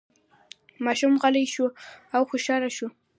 ماشوم غلی شو او خوشحاله شو.